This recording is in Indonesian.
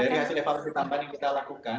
dari hasil evaluasi tambahan yang kita lakukan